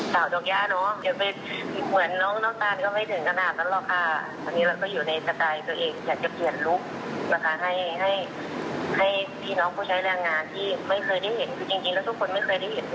คือจริงทุกคนไม่เคยได้เห็นอยู่แล้ว